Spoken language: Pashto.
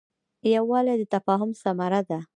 یووالی د تفاهم ثمره ده.